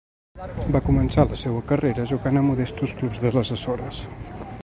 Va començar la seua carrera jugant en modestos clubs de les Açores.